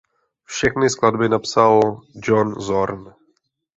Všechny skladby napsal John Zorn.